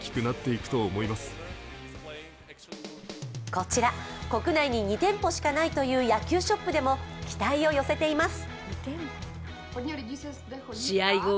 こちら、国内に２店舗しかないという野球ショップでも期待を寄せています。